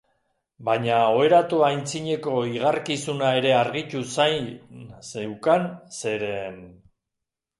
Baina oheratu aitzineko igarkizuna ere argitu zain zeukan, zeren...